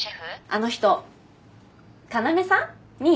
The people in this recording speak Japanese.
あの人要さん？に。